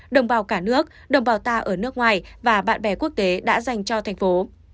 đồng bào cả nước đồng bào ta ở nước ngoài và bạn bè quốc tế đã dành cho thành phố